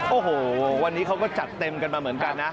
โอ้โหวันนี้เขาก็จัดเต็มกันมาเหมือนกันนะ